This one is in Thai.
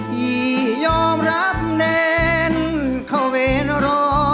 พี่ยอมรับเน้นเขาเว้นรอ